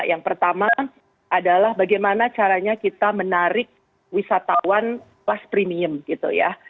yang pertama adalah bagaimana caranya kita menarik wisatawan plus premium gitu ya